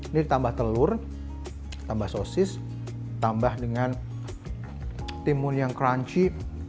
ini ditambah telur tambah sosis tambah dengan timun yang crunchy